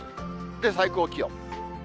で、最高気温。